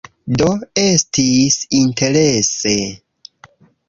Do, estis interese